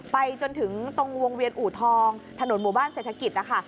ไปจนถึงตรงวงเวียนอูทองถนนหมู่บ้านเศรษฐกิจนะคะ